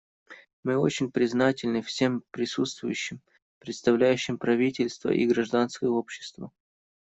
Мы очень признательны всем присутствующим, представляющим правительства и гражданское общество.